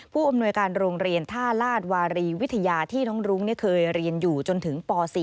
ผู้อำนวยการโรงเรียนท่าลาศวารีวิทยาที่น้องรุ้งเคยเรียนอยู่จนถึงป๔